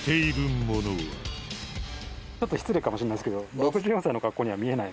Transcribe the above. ちょっと失礼かもしれないですけど。